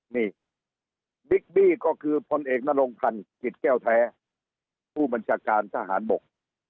นี่บิ๊กบี้ก็คือพลเอกนรงพันธ์จิตแก้วแท้ผู้บัญชาการทหารบก